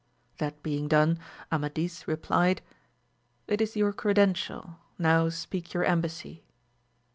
That being done, Amadis replied. It is your credential; now speak your embassy.